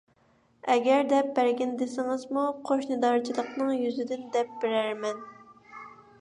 ئەگەر دەپ بەرگىن دېسىڭىزمۇ، قوشنىدارچىلىقنىڭ يۈزىدىن دەپ بېرەرمەن.